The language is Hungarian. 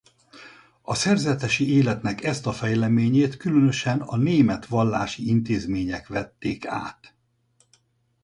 A szerzetesi életnek ezt a fejleményét különösen a német vallási intézmények vették át.